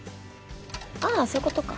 ああそういう事か。